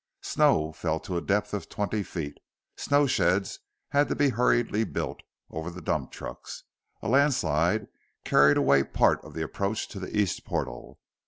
Snow fell to a depth of twenty feet. Snow sheds had to be hurriedly built over the dump trucks. A landslide carried away part of the approach to the east portal.